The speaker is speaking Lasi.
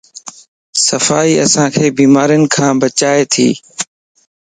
صفائي اسانک بيمارين کان بچائيتي